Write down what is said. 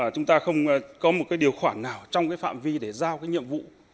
chúng ta không có một điều khoản nào trong phạm vi để giao nhiệm vụ